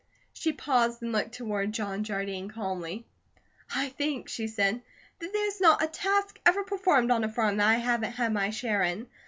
She paused and looked toward John Jardine calmly: "I think," she said, "that there's not a task ever performed on a farm that I haven't had my share in.